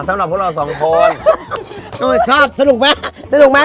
สำหรับพวกเราสองคนเออชอบสนุกไหมสนุกไหม